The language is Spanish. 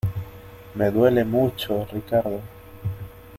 me duele mucho. Ricardo .